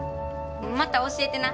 また教えてな。